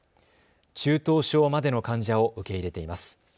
中等症までの患者を受け入れています。